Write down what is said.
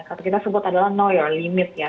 kalau kita sebut adalah no your limit ya